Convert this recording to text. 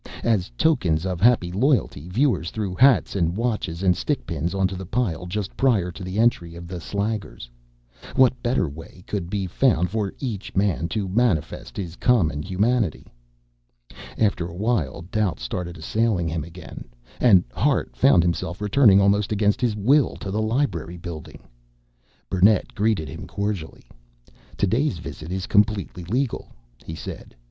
As tokens of happy loyalty, viewers threw hats and watches and stickpins onto the pile just prior to the entry of the slaggers. What better way could be found for each man to manifest his common humanity? After a while doubt started assailing him again, and Hart found himself returning almost against his will to the Library Building. Burnett greeted him cordially. "To day's visit is completely legal," he said.